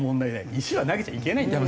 石は投げちゃいけないんだよ。